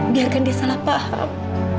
biarkan dia salah paham